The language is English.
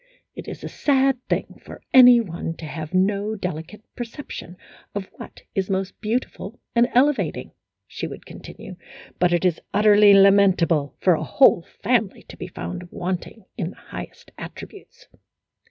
" It is a sad thing for any one to have no delicate perception of what is most beautiful and elevating," she would continue, " but it is utterly lamentable for a whole family to be found wanting in the highest attributes."